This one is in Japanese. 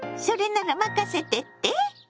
それなら任せてって？